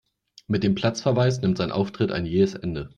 Mit dem Platzverweis nimmt sein Auftritt ein jähes Ende.